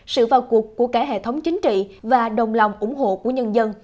sự vào cuộc của cả hệ thống chính trị và đồng lòng ủng hộ của nhân dân